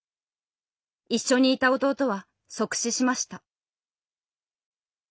一緒にいた弟は即死しました。